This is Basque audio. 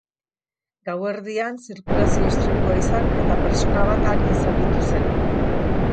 Gauerdian zirkulazio istripua izan, eta pertsona bat arin zauritu zen.